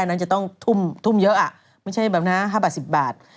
นั้นจะต้องทุ่มเยอะไม่ใช่แบบนะ๕บาท๑๐บาท